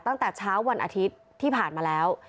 ตั้งแต่เช้าวันอาทิตย์ที่ผ่านมาแล้ว